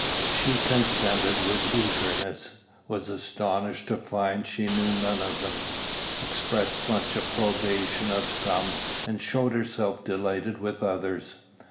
She consented with eagerness, was astonished to find she knew none of them, expressed much approbation of some, and showed herself delighted with others.